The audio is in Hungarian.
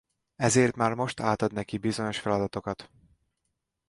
Ezért már most átad neki bizonyos feladatokat.